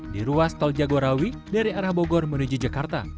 di ruas tol jagorawi dari arah bogor menuju jakarta